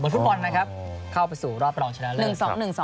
บนฟุตมอนด์นะครับเข้าไปสู่รอบรองชนะเลิศ